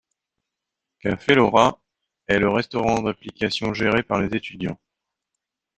Café Laura, est le restaurant d’application géré par les étudiants.